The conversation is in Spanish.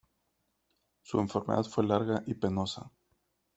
Su enfermedad fue larga y penosa.